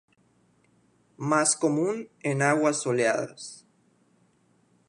Más común en aguas soleadas.